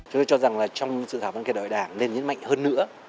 chúng tôi cho rằng trong dự thảo văn kiện đại hội đảng nên nhấn mạnh hơn nữa